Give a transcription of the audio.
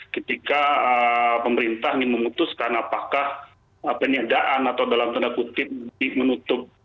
ketika pemerintah ini memutuskan apakah peniadaan atau dalam tanda kutip menutup